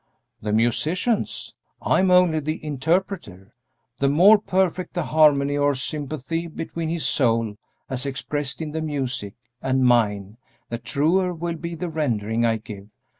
"The musician's; I am only the interpreter. The more perfect the harmony or sympathy between his soul, as expressed in the music, and mine, the truer will be the rendering I give.